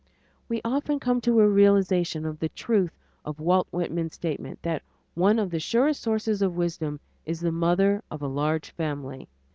We often come to a realization of the truth of Walt Whitman's statement, that one of the surest sources of wisdom is the mother of a large family.